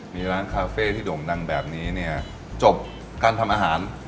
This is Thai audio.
มีร้านคาเฟ่ที่โด่งดังแบบนี้เนี่ยจบการทำอาหาร